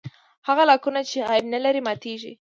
هغه لاکونه چې عیب نه لري ماتېږي.